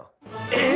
えっ！？